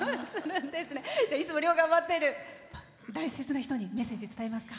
いつも漁を頑張ってる大切な人にメッセージ伝えますか？